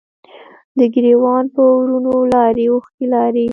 د ګریوان په ورونو لارې، اوښکې لارې